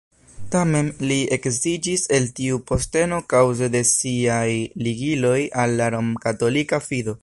Tamen, li eksiĝis el tiu posteno kaŭze de siaj ligiloj al la romkatolika fido.